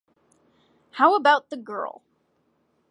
How about the girl?